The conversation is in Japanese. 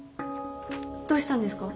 どうしたんですか？